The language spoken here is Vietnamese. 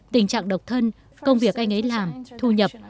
tình trạng độc thân công việc anh ấy làm thu nhập